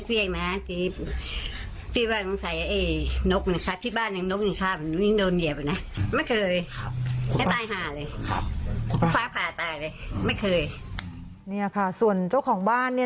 ร้านหลาไม่ต้องมาแบบนี้นะคะส่วนเจ้าของบ้านเนี้ย